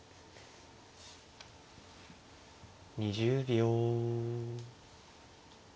２０秒。